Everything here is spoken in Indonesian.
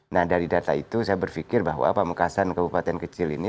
nah dari data itu saya berpikir bahwa pamekasan kabupaten kecil ini